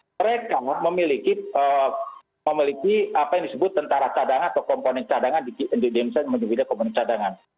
mereka memiliki apa yang disebut tentara cadangan atau komponen cadangan di indonesia yang memiliki komponen cadangan